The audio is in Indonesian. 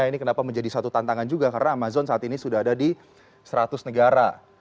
ini kenapa menjadi satu tantangan juga karena amazon saat ini sudah ada di seratus negara